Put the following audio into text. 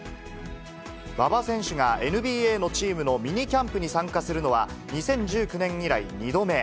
馬場選手がＮＢＡのチームのミニキャンプに参加するのは、２０１９年以来２度目。